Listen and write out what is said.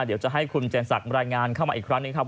เดี๋ยวจะให้คุณเจนสักรายงานเข้ามาอีกครั้งหนึ่งครับ